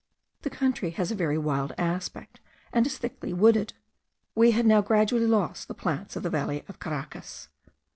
The country has a very wild aspect, and is thickly wooded. We had now gradually lost the plants of the valley of Caracas.